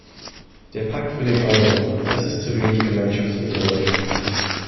Der Pakt für den Euro, das ist zu wenig Gemeinschaftsmethode.